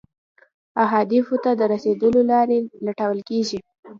اهدافو ته د رسیدو لارې لټول کیږي.